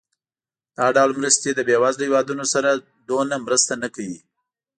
دا ډول مرستې د بېوزله هېوادونو سره دومره مرسته نه کوي.